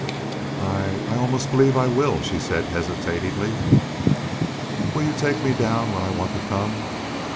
"I I almost believe I will," she said hesitatingly. "Will you take me down when I want to come?"